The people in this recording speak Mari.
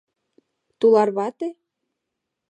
— Тулар вате?